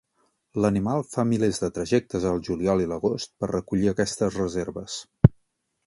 L'animal fa milers de trajectes al juliol i l'agost per recollir aquestes reserves.